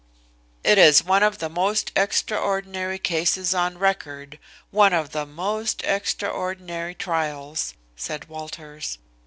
"It is one of the most extraordinary cases on record one of the most extraordinary trials," said Walters.